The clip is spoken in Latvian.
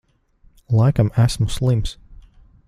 Laikam esmu slims.